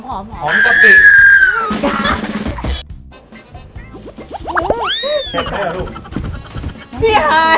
ขอนกิ